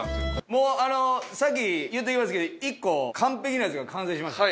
もうあの先言うときますけど１個完璧なやつが完成しました。